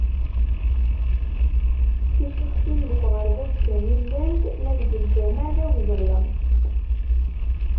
Ticixtin deg uɣerbaz kan i llant, ma deg lǧameɛ d awezɣi.